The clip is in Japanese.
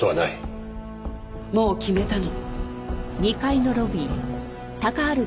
もう決めたの。